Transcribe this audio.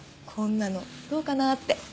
こんなのどうかな？って。